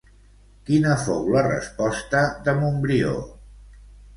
Quina fou la resposta de Montbrió?